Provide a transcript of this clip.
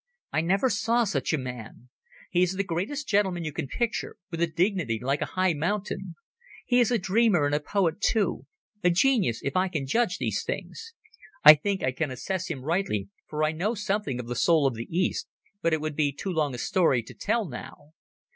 "I never saw such a man. He is the greatest gentleman you can picture, with a dignity like a high mountain. He is a dreamer and a poet, too—a genius if I can judge these things. I think I can assess him rightly, for I know something of the soul of the East, but it would be too long a story to tell now.